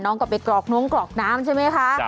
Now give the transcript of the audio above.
กลับไปกรอกน้องกรอกน้ำใช่ไหมคะ